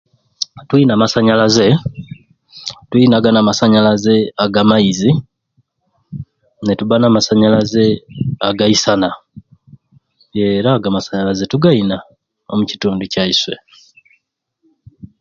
Tuyina amasanyalaze tuyina gani amasanyalaze aga maizi netuba na masanyalaze aga nsana era ago amasanyalaze tugayina omukitundu kyaiswei